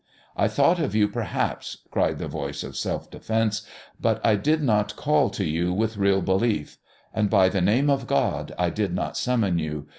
"I thought of you, perhaps," cried the voice of self defence, "but I did not call to you with real belief. And, by the name of God, I did not summon you.